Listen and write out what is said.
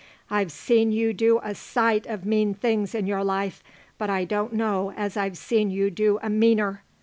I've seen you do a sight of mean things in your life, but I don't know as I've seen you do a meaner.